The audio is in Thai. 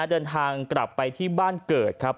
เดินทางกลับไปที่บ้านเกิดครับ